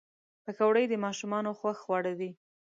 پکورې د ماشومانو خوښ خواړه دي